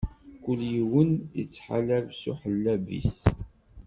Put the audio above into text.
Kul yiwen ittḥalab s uḥellab-is.